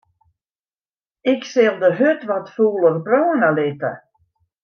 Ik sil de hurd wat fûler brâne litte.